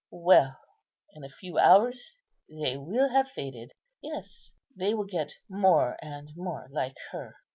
Well, in a few hours they will have faded; yes, they will get more and more like her."